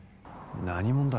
何者だ？